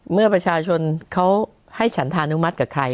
เมื่อประชาชนเขาให้ฉันธานุมัติกับใคร